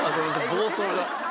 暴走が。